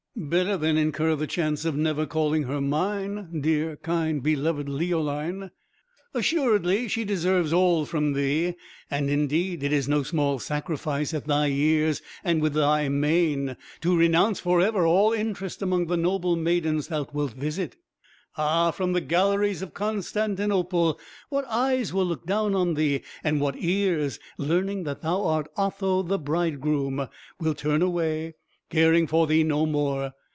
"Better than incur the chance of never calling her mine. Dear, kind, beloved Leoline!" "Assuredly, she deserves all from thee; and, indeed, it is no small sacrifice, at thy years and with thy mien, to renounce for ever all interest among the noble maidens thou wilt visit. Ah, from the galleries of Constantinople what eyes will look down on thee, and what ears, learning that thou art Otho the bridegroom, will turn away, caring for thee no more!